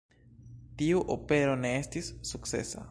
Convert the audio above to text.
Tiu opero ne estis sukcesa.